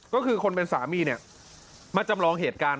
ก็คือคนเป็นสามีเนี่ยมาจำลองเหตุการณ์